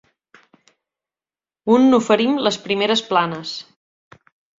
Un n’oferim les primeres planes.